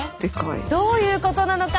どういうことなのか？